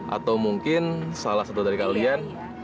atau mungkin salah satu dari kalian